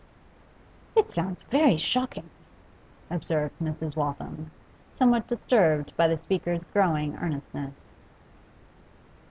'It sounds very shocking,' observed Mrs. Waltham, somewhat disturbed by the speaker's growing earnestness.